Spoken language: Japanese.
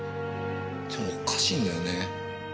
でもおかしいんだよね。